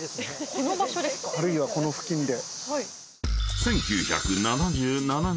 あるいはこの付近で。